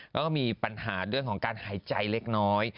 แล้วก็มีปัญหาเรื่องของการหายใจเล็กน้อย